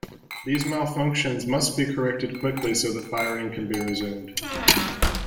These malfunctions must be corrected quickly so that firing can be resumed.